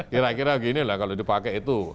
kira kira gini lah kalau dipakai itu